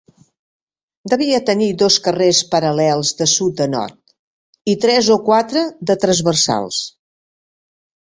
Devia tenir dos carrers paral·lels de sud a nord, i tres o quatre de transversals.